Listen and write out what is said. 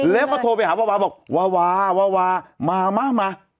แล้วก็โทรไปหาวาวาบอกวาวาวามามา